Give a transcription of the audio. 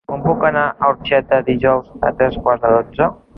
Com puc anar a Orxeta dijous a tres quarts de dotze?